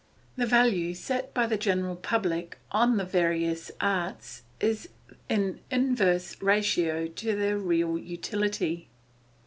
The value set by the general public on the various arts is in inverse ratio to their real utility.